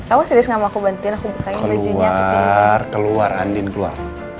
awak serius gak mau aku bantuin rupanya keluar keluar aninin keluar